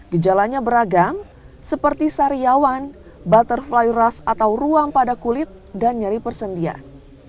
gejalanya beragam seperti sariawan butterflyrust atau ruang pada kulit dan nyeri persendian